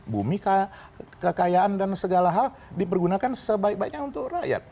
bumi kekayaan dan segala hal dipergunakan sebaik baiknya untuk rakyat